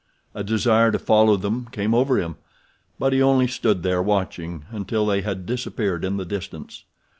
A desire to follow them came over him, but he only stood there watching until they had disappeared in the distance.